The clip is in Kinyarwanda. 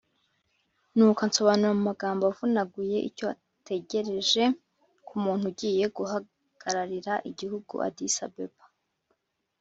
nuko ansobanurira mu magambo avunaguye icyo ategereje ku muntu ugiye guhagararira igihugu addis-abeba,